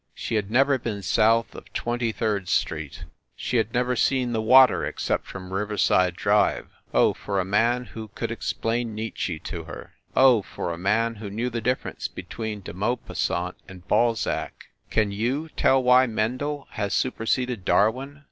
She had never been south of Twenty third Street. She had never seen the water except from Riverside Drive. Oh, for a man who could explain Nietzsche to her ! Oh, for a man who knew the difference between De Maupassant and Balzac! Can you tell why Mendel has superseded Darwin?